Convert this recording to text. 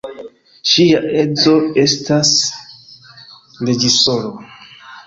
Ŝia edzo estas reĝisoro.